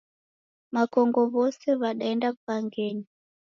Wakongo wose wadaenda wughangenyi